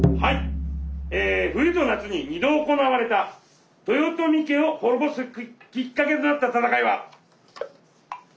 冬と夏に２度行われた豊臣家を滅ぼすきっかけとなった戦いは？